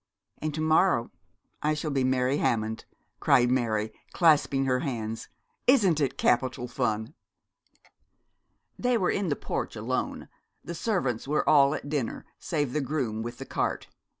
'And to morrow I shall be Mary Hammond,' cried Mary, clasping her hands. 'Isn't it capital fun?' They were in the porch alone. The servants were all at dinner, save the groom with the cart.